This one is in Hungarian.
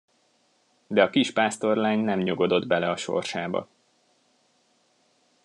De a kis pásztorlány nem nyugodott bele a sorsába.